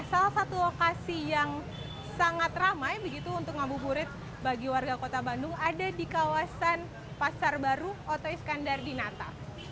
salah satu lokasi yang sangat ramai begitu untuk ngabuburit bagi warga kota bandung ada di kawasan pasar baru oto iskandar di nata